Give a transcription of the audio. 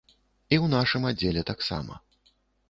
І ў нашым аддзеле таксама.